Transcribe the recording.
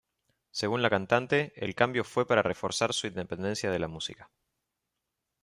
Según la cantante, el cambio fue para reforzar su independencia de la música.